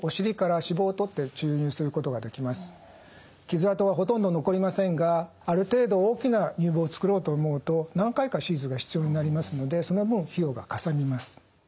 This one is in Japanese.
傷痕はほとんど残りませんがある程度大きな乳房を作ろうと思うと何回か手術が必要になりますのでその分費用がかさみます。